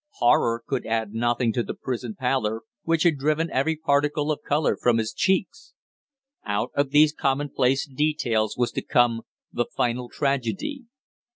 Horror could add nothing to the prison pallor, which had driven every particle of color from his cheeks. Out of these commonplace details was to come the final tragedy.